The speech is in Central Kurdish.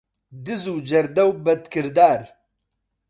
دز و جەردە و بەدکردار